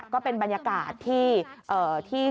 ก็เป็นบรรยากาศที่